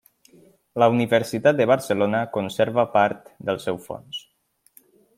La Universitat de Barcelona conserva part del seu fons.